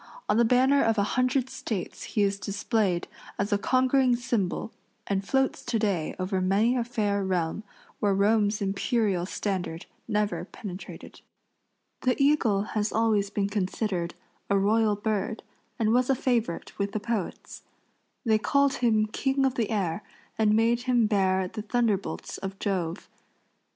On the banner of a hundred States he is displayed as a conquering symbol and floats to day over many a fair realm where Rome's imperial standard never penetrated. The eagle has always been considered a royal bird, and was a favorite with the poets. They called him king of the air and made him bear the thunderbolts of Jove.